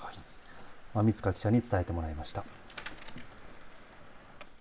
馬見塚記者に伝えてもらいました。